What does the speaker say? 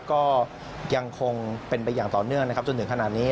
ก็ยังคงเป็นไปอย่างต่อเนื่องนะครับจนถึงขนาดนี้